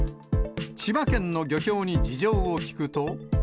千葉県の漁協に事情を聞くと。